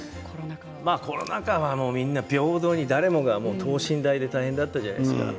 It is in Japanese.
コロナ禍はみんな平等に誰もが等身大で大変だったじゃないですか。